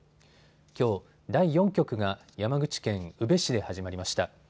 きょう第４局が山口県宇部市で始まりました。